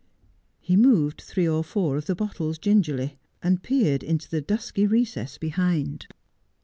He moved three or four of the bottles gingerly, and peered into the dusky recess behind.